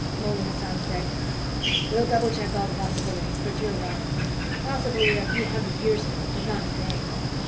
Mouley Hassan said, "We'll double check all those possibilities, but you're wrong. Possibly a few hundred years ago, but not today.